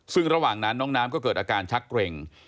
ซึ่งระหว่างนั้นน้องน้ำก็เกิดอาการชักเกร็ง